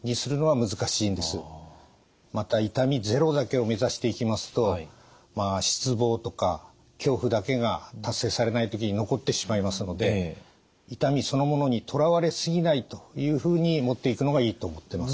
また痛みゼロだけをめざしていきますと失望とか恐怖だけが達成されない時に残ってしまいますので痛みそのものにとらわれ過ぎないというふうにもっていくのがいいと思ってます。